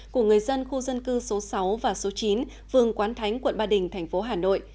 của người dân khu dân cư số sáu và số chín vương quán thánh quận ba đình thành phố hà nội